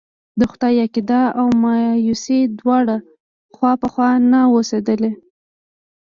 د خدای عقيده او مايوسي دواړه خوا په خوا نه اوسېدلی.